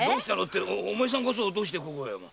お前さんこそどうしてここへ。